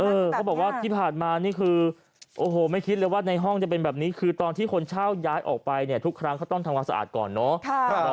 เขาบอกว่าที่ผ่านมานี่คือโอ้โหไม่คิดเลยว่าในห้องจะเป็นแบบนี้คือตอนที่คนเช่าย้ายออกไปเนี่ยทุกครั้งเขาต้องทำความสะอาดก่อนเนาะ